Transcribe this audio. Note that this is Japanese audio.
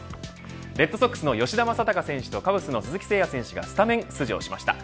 レッドソックスの吉田正尚選手とカブスの鈴木誠也選手がスタメン出場しました。